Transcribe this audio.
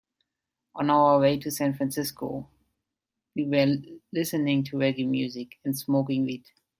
On our way to San Francisco, we were listening to reggae music and smoking weed.